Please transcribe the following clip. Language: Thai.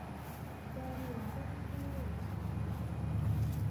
กะเหรี่ยงต้องสู้